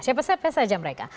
siapa saja mereka